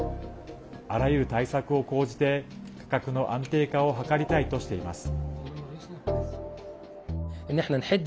あらゆる対策を講じて価格の安定化を図りたいとしています。